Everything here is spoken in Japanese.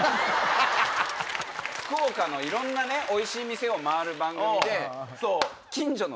福岡のいろんなおいしい店を回る番組で。